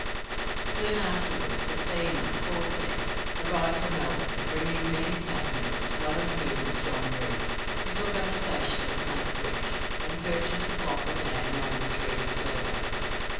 Soon afterwards the steamer 'Corsair' arrived from Melbourne, bringing many passengers, one of whom was John Reeve, who took up a station at Snake Ridge, and purchased the block of land known as Reeve's Survey.